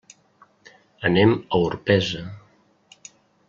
Anem a Orpesa.